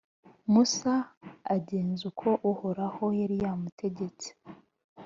musa agenza uko uhoraho yari yamutegetse.